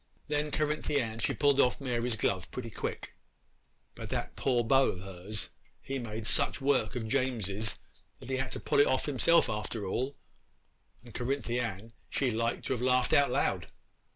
'Then Cerinthy Ann she pulled off Mary's glove pretty quick; but that poor beau of hers, he made such work of James's that he had to pull it off himself after all, and Cerinthy Ann she like to have laughed out loud.